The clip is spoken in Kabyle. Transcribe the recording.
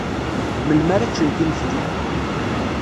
Melmi ara ččent imekli?